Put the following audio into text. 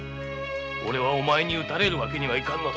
俺はお前に討たれるわけにはいかんのだ。